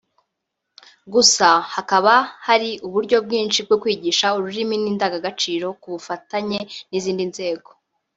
gusa hakaba hari uburyo bwinshi bwo kwigisha ururimi n’indangagaciro ku bufatanye n’izindi nzego